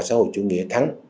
xã hội chủ nghĩa thắng